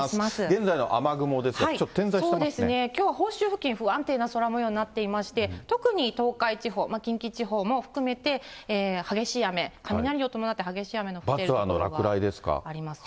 現在の雨雲ですが、そうですね、きょうは本州付近、不安定な空もようになっていまして、特に東海地方、近畿地方も含めて、激しい雨、雷を伴って激しい雨の降る所があります。